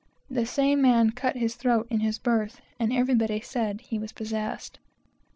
The same man cut his throat in his berth, and everybody said he was possessed.